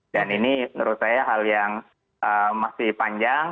dan ini menurut saya hal yang masih panjang